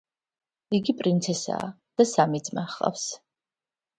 იგი პრინცესაა და სამი ძმა ჰყავს.